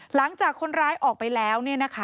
หลังจากคนร้ายออกไปแล้ว